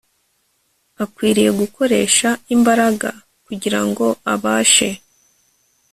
akwiriye gukoresha imbaraga kugira ngo abashe